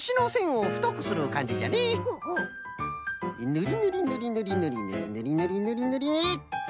ぬりぬりぬりぬりぬりぬりぬりぬりぬりぬりっと。